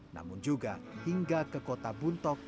namun juga hingga ke kota buntok